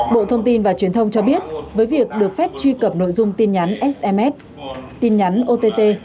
bộ thông tin và truyền thông cho biết với việc được phép truy cập nội dung tin nhắn sms tin nhắn ott